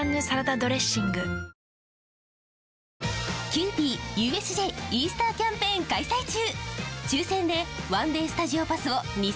キユーピーＵＳＪイースターキャンペーン開催中！